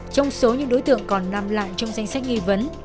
trong số những đối tượng còn nằm lại trong danh sách nghi vấn